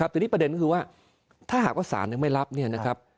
แต่นี่ประเด็นคือว่าถ้าหากว่าสารยังไม่รับ